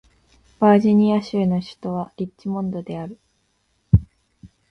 バージニア州の州都はリッチモンドである